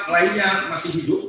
empat lainnya masih hidup